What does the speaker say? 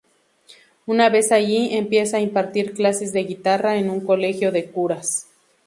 Una vez allí, empieza a impartir clases de guitarra en un colegio de curas.